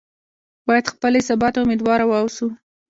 باید خپلې سبا ته امیدواره واوسو.